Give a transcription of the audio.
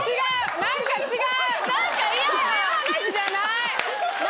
何か違う！